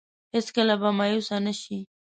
هېڅ کله به مايوسه نه شي.